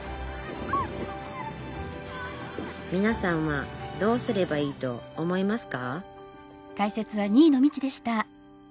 みなさんはどうすればいいと思いますか？